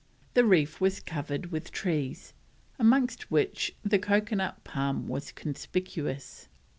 The reef was covered with trees, amongst which the coconut palm was conspicuous.